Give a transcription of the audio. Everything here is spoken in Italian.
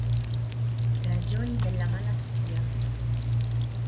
Ragioni della malattia.